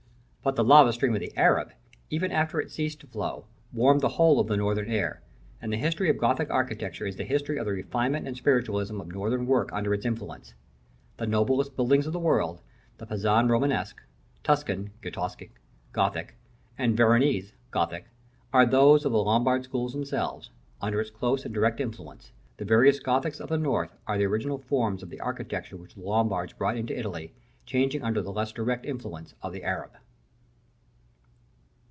But the lava stream of the Arab, even after it ceased to flow, warmed the whole of the Northern air; and the history of Gothic architecture is the history of the refinement and spiritualisation of Northern work under its influence. The noblest buildings of the world, the Pisan Romanesque, Tuscan (Giottesque) Gothic, and Veronese Gothic, are those of the Lombard schools themselves, under its close and direct influence; the various Gothics of the North are the original forms of the architecture which the Lombards brought into Italy, changing under the less direct influence of the Arab.